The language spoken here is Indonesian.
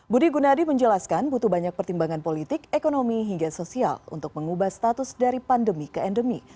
budi gunadi menjelaskan butuh banyak pertimbangan politik ekonomi hingga sosial untuk mengubah status dari pandemi ke endemi